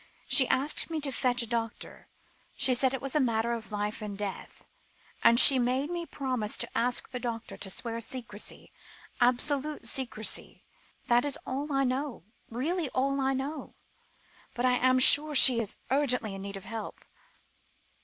She asked me to fetch a doctor. She said it was a matter of life and death, and she made me promise to ask the doctor to swear secrecy absolute secrecy. That is all I know really all I know. But I am sure she is urgently in need of help."